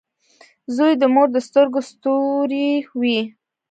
• زوی د مور د سترګو ستوری وي.